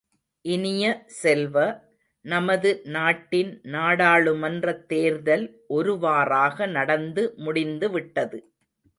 இனிய செல்வ, நமது நாட்டின் நாடாளுமன்றத் தேர்தல் ஒருவாறாக நடந்து முடிந்துவிட்டது.